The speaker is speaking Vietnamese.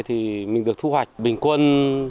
thì mình được thu hoạch bình quân